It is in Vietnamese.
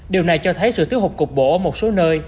điều này cho thấy sự tiếu hụt cục bổ ở một số nơi